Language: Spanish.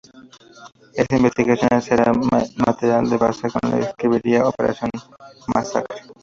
Esa investigación será el material de base con el que escribirá "Operación Masacre".